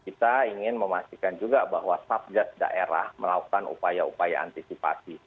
kita ingin memastikan juga bahwa satgas daerah melakukan upaya upaya antisipasi